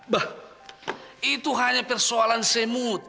bah itu hanya persoalan semut